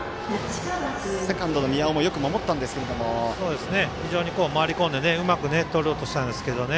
セカンドの宮尾も非常に回り込んでうまくとろうとしたんですけどね。